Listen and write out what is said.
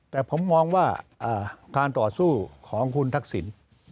แต่ผมมองว่าการต่อสู้ของคุณทักษิณ